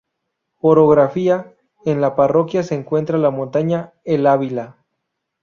Orografía: En la parroquia se encuentra la montaña El Ávila.